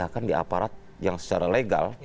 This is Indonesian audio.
bukan di angkat samping